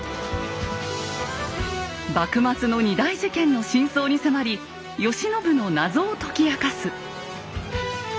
幕末の２大事件の真相に迫り慶喜の謎を解き明かす。